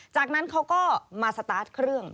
จากนั้นเขาก็มาสตาร์ทเครื่อง